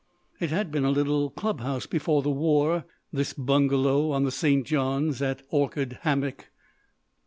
It had been a little club house before the war, this bungalow on the St. Johns at Orchid Hammock.